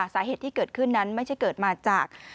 สาเหตุที่เกิดขึ้นนั้นไม่ใช่เกิดมาจาก